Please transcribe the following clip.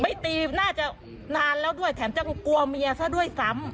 ตีน่าจะนานแล้วด้วยแถมจะกลัวเมียซะด้วยซ้ำ